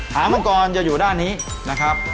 หามังกรจะอยู่ด้านนี้นะครับ